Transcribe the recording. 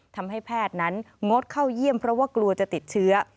ทำให้แพทย์นั้นงดเข้าเยี่ยมเพราะว่ากลัวจะติดเชื้อ